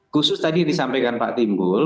khusus tadi yang disampaikan pak timbul